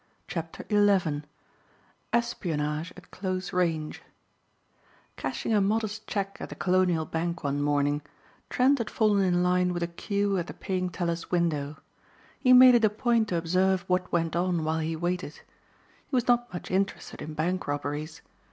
CHAPTER XI ESPIONAGE AT CLOSE RANGE CASHING a modest check at the Colonial bank one morning, Trent had fallen in line with a queue at the paying teller's window. He made it a point to observe what went on while he waited. He was not much interested in bank robberies.